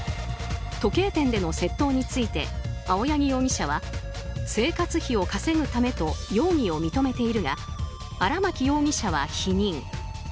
時計店での窃盗について青柳容疑者は生活費を稼ぐためと容疑を認めているが荒巻容疑者は否認。